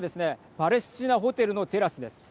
パレスチナホテルのテラスです。